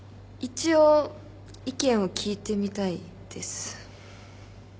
一応意見を聞いてみたいです。